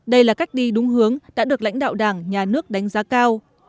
đây là cách đi đúng hướng đã được lãnh đạo đảng nhà nước đánh giá cao